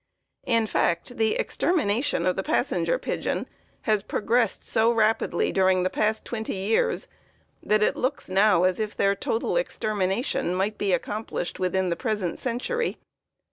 In fact, the extermination of the Passenger Pigeon has progressed so rapidly during the past twenty years that it looks now as if their total extermination might be accomplished within the present century.